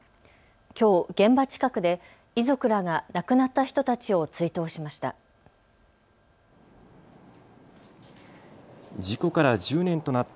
きょう現場近くで遺族らが亡くなった人たちを追悼しました。